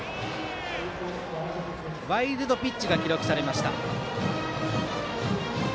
ワイルドピッチが記録されました。